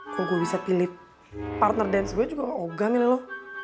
kok gue bisa pilih partner dance gue juga sama oga milih lo